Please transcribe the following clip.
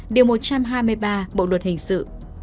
điều một trăm hai mươi ba bộ luật hình sự